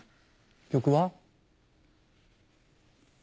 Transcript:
曲は？